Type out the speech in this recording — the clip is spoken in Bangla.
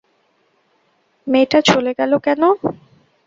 মেয়েটা চলে গেলো কেন?